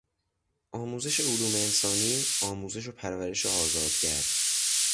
آموزش علوم انسانی، آموزش و پرورش آزادگر